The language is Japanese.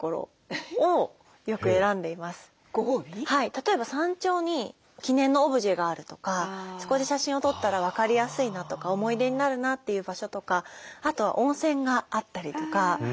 例えば山頂に記念のオブジェがあるとかそこで写真を撮ったら分かりやすいなとか思い出になるなという場所とかあとは温泉があったりとか。